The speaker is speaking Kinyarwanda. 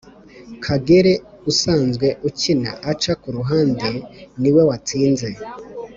Kagere usanzwe akina aca ku ruhande niwe watsinze